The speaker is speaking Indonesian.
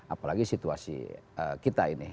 apalagi situasi kita ini